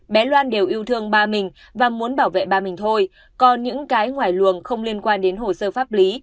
bé loan đều yêu thương ba mình và muốn bảo vệ bà mình thôi còn những cái ngoài luồng không liên quan đến hồ sơ pháp lý